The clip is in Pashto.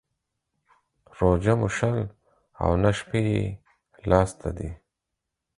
روژه مو شل او نه شپې يې لا سته دى.